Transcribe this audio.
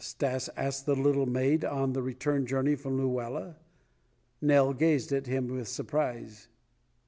Stas asked the little maid on the return journey from Luela. Nell gazed at him with surprise.